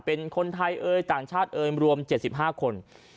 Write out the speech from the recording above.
เป็นคนไทยเอ่ยต่างชาติเอ่ยรวม๗๕คน